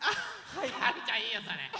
はるちゃんいいよそれ。